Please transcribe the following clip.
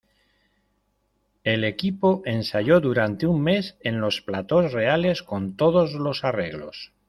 El equipo ensayó durante un mes en los platós reales con todos los arreglos.